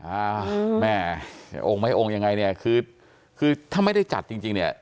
อ้าวแม่โอ้งไหมโอ้งยังไงเนี่ยคือถ้าไม่ได้จัดจริงเนี่ย